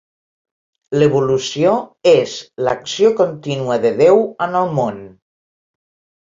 L'evolució és l'acció contínua de Déu en el món.